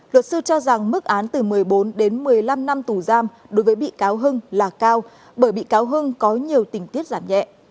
luật sư cho rằng mức án từ một mươi bốn đến một mươi năm năm tù giam đối với bị cáo hưng là cao bởi bị cáo hưng có nhiều tình tiết giảm nhẹ